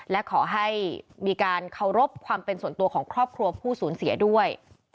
และขอให้มีการเคารพความเป็นส่วนตัวของครอบครัวผู้สูญเสียด้วย